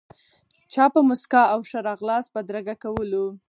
چا په موسکا او ښه راغلاست بدرګه کولو.